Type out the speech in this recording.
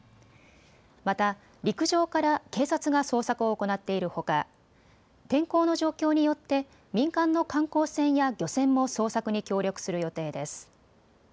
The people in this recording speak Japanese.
また陸上から警察が捜索を行っているほか天候の状況によって民間の観光船や漁船も捜索に協力する予定です。